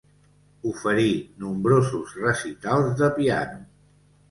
Oferí nombrosos recitals de piano.